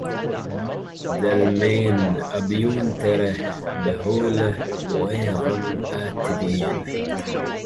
دل میں اب یوں تیرے بھولے ہوئے غم آتے ہیں